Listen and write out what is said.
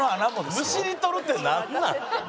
「むしり取る」ってなんなん？